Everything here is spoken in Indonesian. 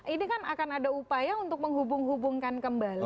ini kan akan ada upaya untuk menghubung hubungkan kembali